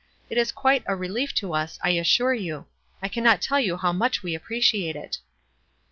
It is quite a relief to us, I assure you. I can not tell you how much we appreciate it."